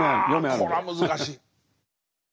うわこれは難しい。